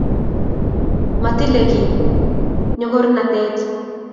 Matilel kiiy nyogornatet